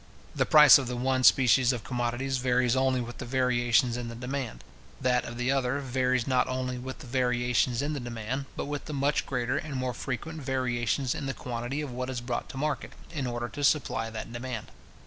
The price of the one species of commodities varies only with the variations in the demand; that of the other varies not only with the variations in the demand, but with the much greater, and more frequent, variations in the quantity of what is brought to market, in order to supply that demand.